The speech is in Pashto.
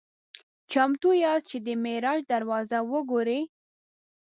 "چمتو یاست چې د معراج دروازه وګورئ؟"